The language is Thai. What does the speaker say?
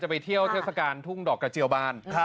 ไปเที่ยวเทศกาลทุ่งดอกกระเจียวบ้าน